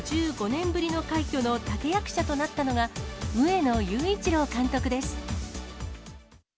５５年ぶりの快挙の立て役者となったのが上野裕一郎監督です。